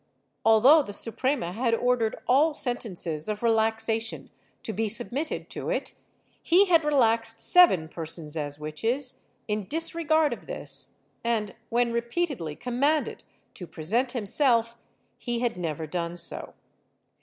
Although the Suprema had ordered all sentences of relaxation to be submitted to it, he had relaxed seven persons as witches, in disregard of this, and when repeatedly commanded to present himself, he had never done so.